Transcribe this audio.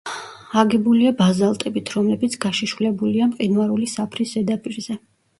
აგებულია ბაზალტებით, რომლებიც გაშიშვლებულია მყინვარული საფრის ზედაპირზე.